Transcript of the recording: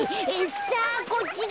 さあこっちだ！